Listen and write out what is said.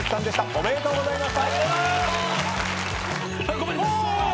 ありがとうございます。